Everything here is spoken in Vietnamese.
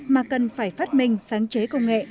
mà cần phải phát minh sáng chế công nghệ